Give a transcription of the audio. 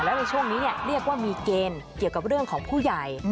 แล้วในช่วงนี้เรียกว่ามีเกณฑ์เกี่ยวกับเรื่องของผู้ใหญ่